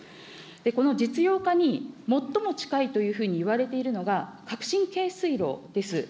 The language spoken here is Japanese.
この実用化に最も近いというふうにいわれているのが、革新軽水炉です。